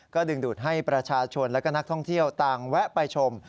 ก็ดึงดูดให้ประชาชนและก็นักท่องเที่ยวต่างแวะไปชม